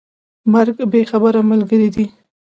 مرګ بې خبره ملګری دی.